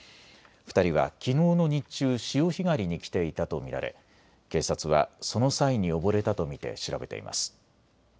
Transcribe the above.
２人はきのうの日中、潮干狩りに来ていたと見られ警察はその際に溺れたと見て調べています。